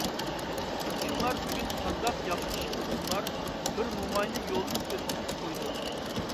ئىككىڭلار بۈگۈن قانداق ياخشى ئىش قىلدىڭلار؟ بىر موماينى يولدىن ئۆتكۈزۈپ قويدۇق.